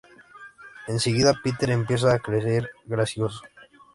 Enseguida Peter empieza a creerse gracioso.